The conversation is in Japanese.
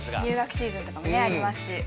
入学シーズンとかもねありますし。